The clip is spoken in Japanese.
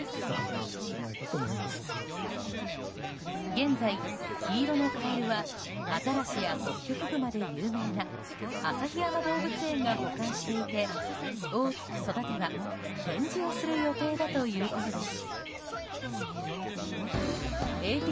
現在、黄色のカエルはアザラシやホッキョクグマで有名な旭山動物園が保管していて大きく育てば展示をする予定だということです。